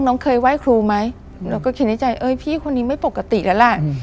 น้องเคยไหว้ครูไหมหนูก็คิดในใจเอ้ยพี่คนนี้ไม่ปกติแล้วล่ะ